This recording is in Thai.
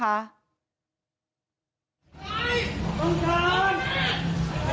เขาพอมาดิ